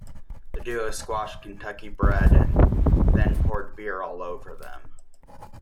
The duo squashed Kentucky Bred and then poured beer all over them.